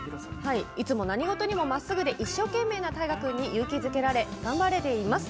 いつも何事にもまっすぐで一生懸命な大我君に勇気づけられ頑張れています。